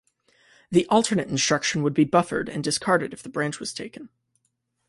The alternate instruction would be buffered and discarded if the branch was taken.